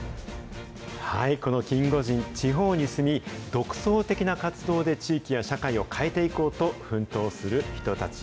このキンゴジン、地方に住み、独創的な活動で地域や社会を変えていこうと奮闘する人たち。